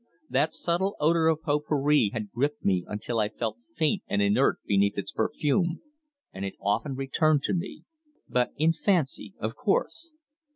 That subtle odour of pot pourri had gripped me until I felt faint and inert beneath its perfume, and it often returned to me but in fancy, of course.